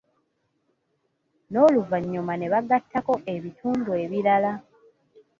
N’oluvanyuma ne bagattako ebitundu ebirala.